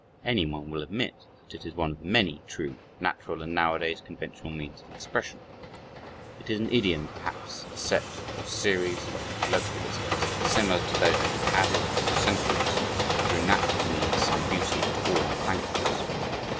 Anyone will admit that it is one of the many true, natural, and, nowadays, conventional means of expression. It is an idiom, perhaps a "set or series of colloquialisms," similar to those that have added through centuries and through natural means, some beauty to all languages.